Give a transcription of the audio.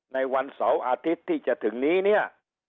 ในวันเสาร์อาทิตย์ที่จะถึงนี้เนี่ย